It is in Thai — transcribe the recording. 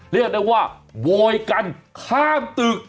เรียกได้ว่าโวยกันข้ามตึก